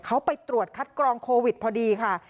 เขาไปตรวจคัดกรองโควิดพอดีค่ะ